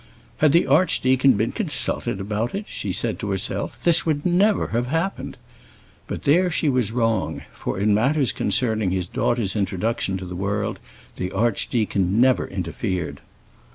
"Had the archdeacon been consulted about it," she said to herself, "this would never have happened." But there she was wrong, for in matters concerning his daughter's introduction to the world the archdeacon never interfered.